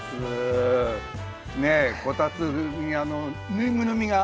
ねえこたつにあのぬいぐるみが。